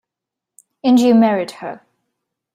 And you married her.